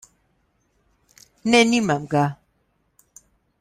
Ne, nimam ga.